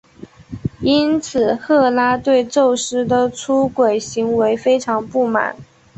因此赫拉对宙斯的出轨行为非常不满。